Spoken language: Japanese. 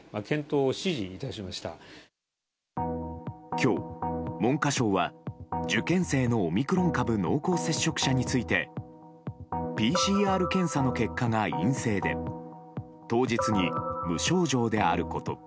今日、文科省は受験生のオミクロン株濃厚接触者についてＰＣＲ検査の結果が陰性で当日に無症状であること。